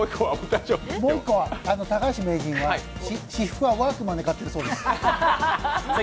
高橋名人は私服はワークマンで買ってるそうです。